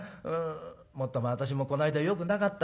もっとも私もこの間よくなかったね。